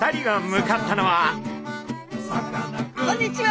こんにちは！